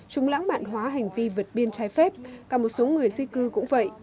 chúng lãng mạn hóa hành vi vượt biên trái phép cả một số người di cư cũng vậy